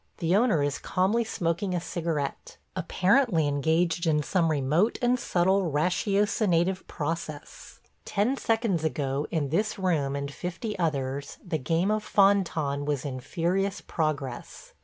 The owner is calmly smoking a cigarette, apparently engaged in some remote and subtle ratiocinative process. Ten seconds ago, in this room and fifty others, the game of fan tan was in furious progress.